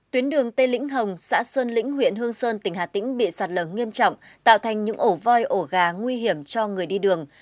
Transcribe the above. tuyến đường tây lĩnh hồng xã sơn lĩnh huyện hương sơn tỉnh hà tĩnh bị sạt lở nghiêm trọng tạo thành những ổ voi ổ gà nguy hiểm cho người đi đường